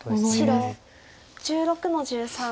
白１６の十三。